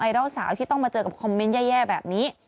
ดัลสาวที่ต้องมาเจอกับคอมเมนต์แย่แบบนี้